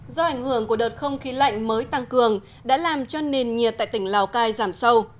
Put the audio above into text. do ảnh hưởng của đợt không khí lạnh mới tăng cường đã làm cho nền nhiệt tại tỉnh lào cai giảm sâu